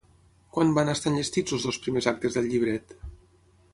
Quan van estar enllestits els dos primers actes del llibret?